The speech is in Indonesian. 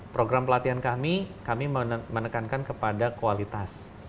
program pelatihan kami kami menekankan kepada kualitas